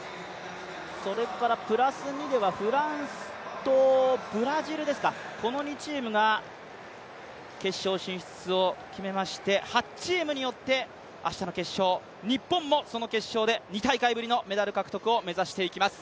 プラス２ではフランスとブラジル、この２チームが決勝進出を決めまして、８チームによって明日の決勝、日本もその決勝で２大会ぶりのメダル獲得を目指していきます。